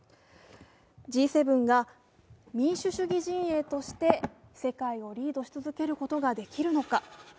Ｇ７が民主主義陣営として世界をリードし続けることができるのか。